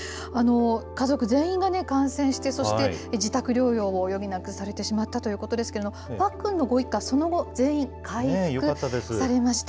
家族全員が感染して、そして自宅療養を余儀なくされてしまったということですけれども、パックンのご一家、その後、全員、回復されました。